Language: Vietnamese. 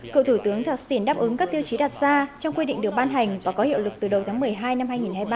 cựu thủ tướng thạc xỉn đáp ứng các tiêu chí đặt ra trong quy định được ban hành và có hiệu lực từ đầu tháng một mươi hai năm hai nghìn hai mươi ba